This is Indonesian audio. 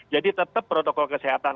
jadi tetap protokol kesehatan